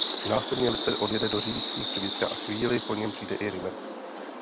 Následně Lister odejde do řídícího střediska a chvíli po něm přijde i Rimmer.